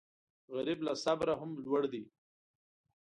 غریب له صبره هم لوړ دی